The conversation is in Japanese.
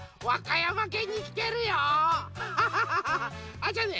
あっじゃあね